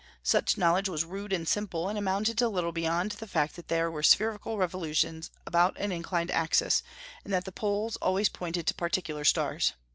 Such knowledge was rude and simple, and amounted to little beyond the fact that there were spherical revolutions about an inclined axis, and that the poles pointed always to particular stars.